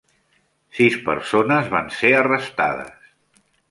Sis persones van ser arrestades.